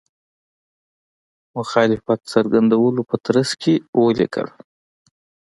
مخالفت څرګندولو په ترڅ کې ولیکل.